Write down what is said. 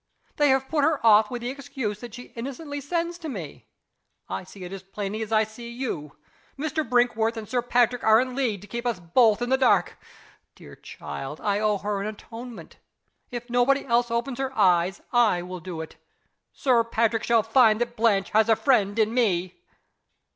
They have put her off with the excuse that she innocently sends to me. I see it as plainly as I see you! Mr. Brinkworth and Sir Patrick are in league to keep us both in the dark. Dear child! I owe her an atonement. If nobody else opens her eyes, I will do it. Sir Patrick shall find that Blanche has a friend in Me!"